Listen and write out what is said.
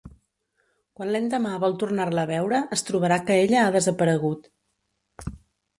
Quan l’endemà vol tornar-la a veure, es trobarà que ella ha desaparegut.